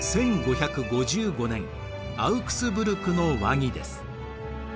１５５５年アウクスブルクの和議です。